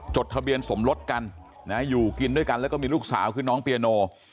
จดทะเบียนสมรสกันอยู่กินด้วยกันแล้วก็มีลูกสาวคือน้องเปียโน